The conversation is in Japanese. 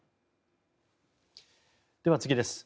では、次です。